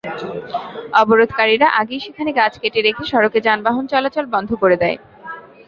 অবরোধকারীরা আগেই সেখানে গাছ কেটে রেখে সড়কে যানবাহন চলাচল বন্ধ করে দেয়।